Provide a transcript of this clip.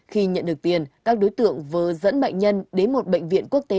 khi nhận được tiền các đối tượng vừa dẫn bệnh nhân đến một bệnh viện quốc tế